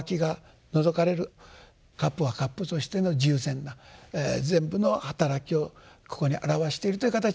カップはカップとしての十全な全部の働きをここにあらわしているという形で。